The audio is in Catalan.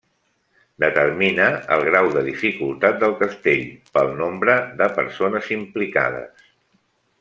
Determina el grau de dificultat del castell, pel nombre de persones implicades.